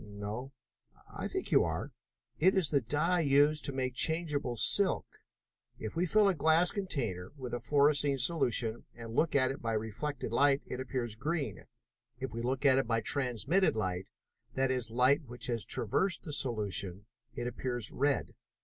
"No." "I think you are. It is the dye used in making changeable silk. If we fill a glass container with a fluorescein solution and look at it by reflected light it appears green. If we look at it by transmitted light, that is, light which has traversed the solution, it appears red.